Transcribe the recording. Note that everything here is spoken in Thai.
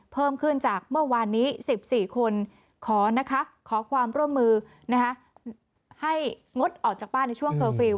เพิ่มขึ้นจากเมื่อวานนี้๑๔คนขอความร่วมมือให้งดออกจากบ้านในช่วงเคอร์ฟิลล